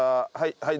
はい。